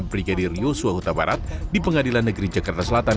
brigadir yosua huta barat di pengadilan negeri jakarta selatan